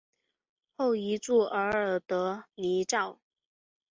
后移驻额尔德尼召。